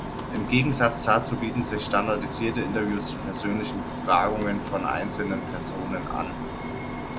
Im Gegensatz dazu bieten sich standardisierte Interviews zur persönlichen Befragungen von einzelnen Personen an.